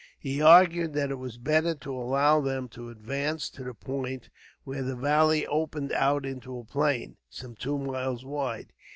He argued that it was better to allow them to advance to the point where the valley opened out into a plain, some two miles wide.